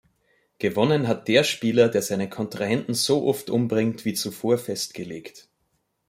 Gewonnen hat der Spieler, der seinen Kontrahenten so oft umbringt, wie zuvor festgelegt.